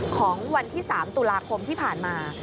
ของวันที่๓ตุลาคมที่ผ่านมา